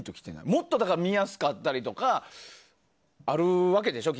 もっと見やすかったりとかあるわけでしょ？